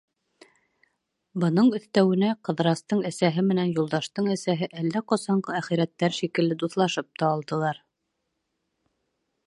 Бының өҫтәүенә, Ҡыҙырастың әсәһе менән Юлдаштың әсәһе әллә ҡасанғы әхирәттәр шикелле дуҫлашып та алдылар.